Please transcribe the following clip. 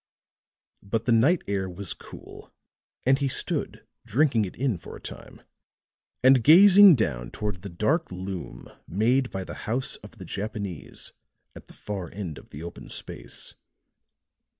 But the night air was cool and he stood drinking it in for a time, and gazing down toward the dark loom made by the house of the Japanese at the far end of the open space.